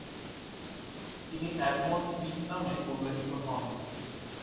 তিনি Edmund Pitt নামে উল্লেখিত হন।